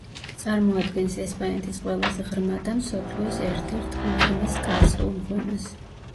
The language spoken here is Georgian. წარმოადგენს ესპანეთის ყველაზე ღრმა და მსოფლიოს ერთ-ერთ უღრმეს კარსტულ მღვიმეს.